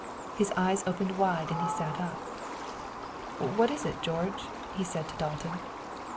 His eyes opened wide and he sat up. "What is it, George?" he said to Dalton.